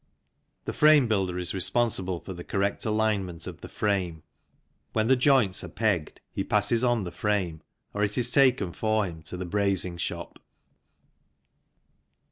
The frame builder is responsible for the correct alignment of the frame. When the joints are pegged he passes on the frame, or it is taken for him, to the brazing shop.